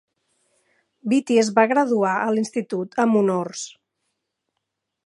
Beattie es va graduar a l'institut amb honors.